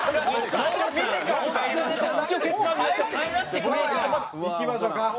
さあいきましょうか。